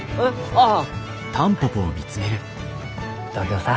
ああ。